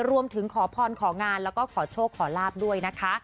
ขอพรของานแล้วก็ขอโชคขอลาบด้วยนะคะ